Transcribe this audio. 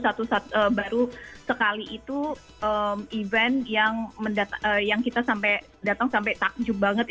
satu saat baru sekali itu event yang kita sampai datang sampai takjub banget